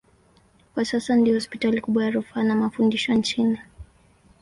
Kwa sasa ndiyo hospitali kubwa ya rufaa na mafundisho nchini.